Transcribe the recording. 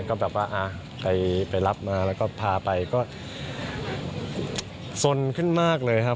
ก็แบบว่าไปรับมาแล้วก็พาไปก็สนขึ้นมากเลยครับ